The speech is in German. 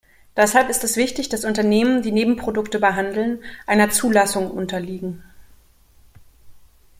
Deshalb ist es wichtig, dass Unternehmen, die Nebenprodukte behandeln, einer Zulassung unterliegen.